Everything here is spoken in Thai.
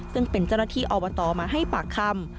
ซึ่งเป็นเจ้าหน้าที่อบตมาให้ปากคำ